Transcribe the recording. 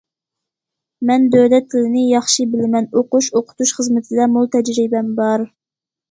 مەن دۆلەت تىلىنى ياخشى بىلىمەن، ئوقۇش- ئوقۇتۇش خىزمىتىدە مول تەجرىبەم بار.